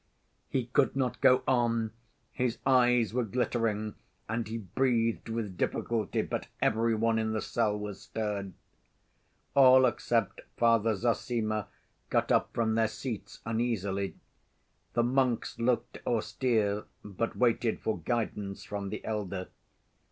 He could not go on. His eyes were glittering and he breathed with difficulty. But every one in the cell was stirred. All except Father Zossima got up from their seats uneasily. The monks looked austere but waited for guidance from the elder.